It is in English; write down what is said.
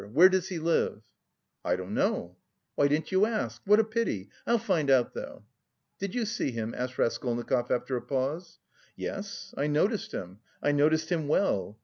Where does he live?" "I don't know." "Why didn't you ask? What a pity! I'll find out, though." "Did you see him?" asked Raskolnikov after a pause. "Yes, I noticed him, I noticed him well."